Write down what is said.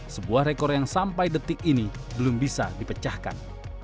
sebuah rekor yang sampai detik ini belum bisa dipecahkan